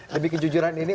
lebih kejujuran ini